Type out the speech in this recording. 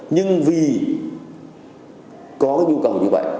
nhưng vì có nhu cầu như vậy